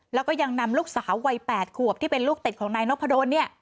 แล้วก็ยังนำลูกสาววัย๘ขวบที่เป็นลูกติดของนายนพดลเนี่ย